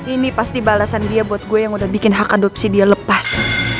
ini pasti balasan dia buat gue yang udah bikin hak adopsi dia lepas